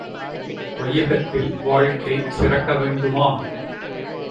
வையகத்தில் வாழ்க்கை சிறக்க வேண்டுமா?